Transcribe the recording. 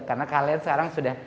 karena kalian sekarang sudah